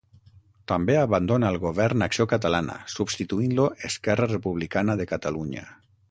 També abandona el govern Acció Catalana, substituint-lo Esquerra Republicana de Catalunya.